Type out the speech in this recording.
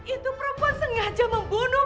itu perempuan sengaja membunuh